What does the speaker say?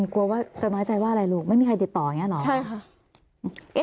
กลัวว่าจะน้อยใจว่าอะไรลูกไม่มีใครติดต่ออย่างนี้หรอ